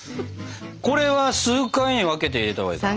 これは数回に分けて入れたほうがいいかな？